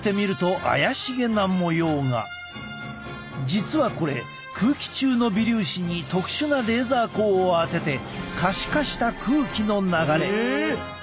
実はこれ空気中の微粒子に特殊なレーザー光をあてて可視化した空気の流れ。